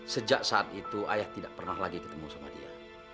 sejak saat itu ayah tidak pernah lagi ketemu sama dia